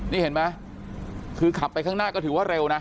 นี่เห็นไหมคือขับไปข้างหน้าก็ถือว่าเร็วนะ